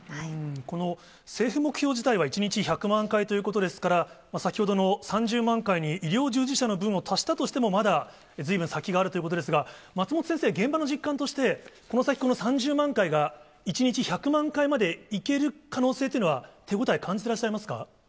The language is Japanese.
この政府目標自体は１日１００万回ということですから、先ほどの３０万回に、医療従事者の分を足したとしても、まだずいぶん先があるということですが、松本先生、現場の実感として、この先、この３０万回が、１日１００万回までいける可能性というのは、手応え、感じてらっしゃいますか？